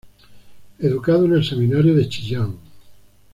Educado en el Seminario de Chillán.